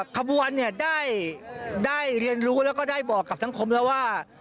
ขบวนเนี่ยได้เรียนรู้แล้วก็ได้บอกกับสังคมแล้วว่า